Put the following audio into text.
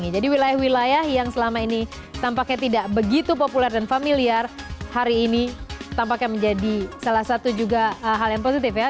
jadi wilayah wilayah yang selama ini tampaknya tidak begitu populer dan familiar hari ini tampaknya menjadi salah satu juga hal yang positif ya